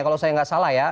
kalau saya tidak salah ya